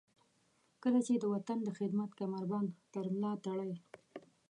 کله چې د وطن د خدمت کمربند تر ملاتړئ.